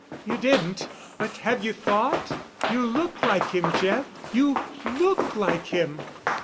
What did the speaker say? "You didn't—but have you thought? You look like him, Jeff. You look like him."